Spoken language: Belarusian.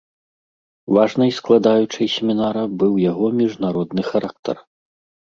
Важнай складаючай семінара быў яго міжнародны характар.